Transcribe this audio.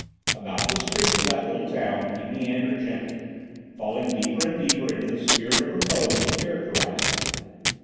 About the streets of that little town he meandered gently, falling deeper and deeper into the spirit of repose that characterised it.